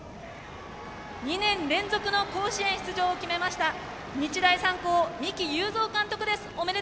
２年連続の甲子園出場を決めた日大三高、三木有造監督です。